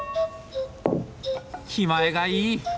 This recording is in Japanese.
気前がいい！